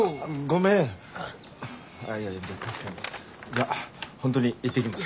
じゃ本当に行ってきます。